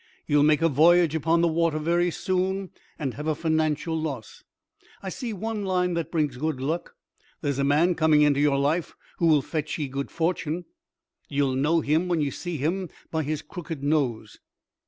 Ye'll make a voyage upon the water very soon, and have a financial loss. I see one line that brings good luck. There's a man coming into your life who will fetch ye good fortune. Ye'll know him when ye see him by his crooked nose."